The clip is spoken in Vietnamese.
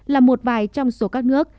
là một vài trong số các nước